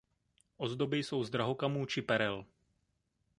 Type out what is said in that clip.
Ozdoby jsou z drahokamů či perel.